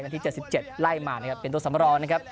นาที๗๗นาทีไล่มาเป็นตัวสำรองนะครับ